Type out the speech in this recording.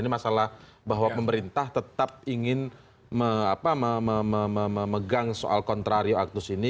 ini masalah bahwa pemerintah tetap ingin memegang soal kontrario aktus ini